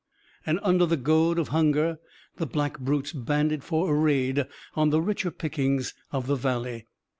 And, under the goad of hunger, the black brutes banded for a raid on the richer pickings of the Valley.